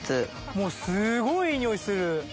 もうすごいいい匂いする。